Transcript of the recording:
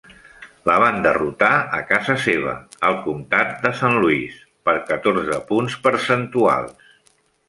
La van derrotar a casa seva, el comtat de Saint Louis, per catorze punts percentuals.